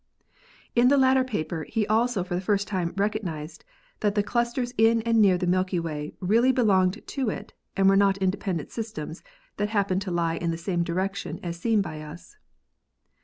"In the latter paper he also for the first time recognised that the clusters in and near the Milky Way really be longed to it and were not independent systems that hap pened to lie in the same direction as seen by us."